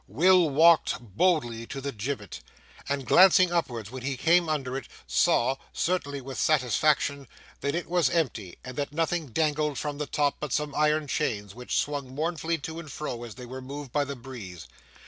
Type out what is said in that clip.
Will walked boldly to the gibbet, and, glancing upwards when he came under it, saw—certainly with satisfaction—that it was empty, and that nothing dangled from the top but some iron chains, which swung mournfully to and fro as they were moved by the breeze.